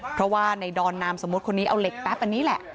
เพราะว่าในดอนนามสมมุติคนนี้เอาเหล็กแป๊บอันนี้แหละ